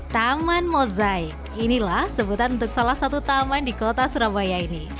taman mozaik inilah sebutan untuk salah satu taman di kota surabaya ini